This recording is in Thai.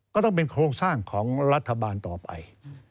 ก็ต้องเป็นโครงสร้างของรัฐบาลต่อไป